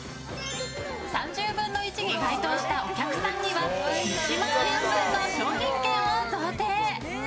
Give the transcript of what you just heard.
３０分の１に該当したお客さんには１万円分の商品券を贈呈。